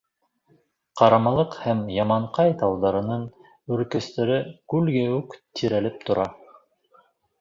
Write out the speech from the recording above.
Ҡарамалыҡ һәм Яманҡай тауҙарының үркәстәре күлгә үк терәлеп тора.